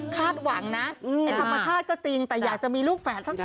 คาดหวังนะธรรมชาติก็จริงแต่อยากจะมีลูกแฟนทั้ง๓คู่